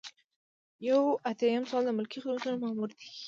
یو ایاتیام سوال د ملکي خدمتونو مامور دی.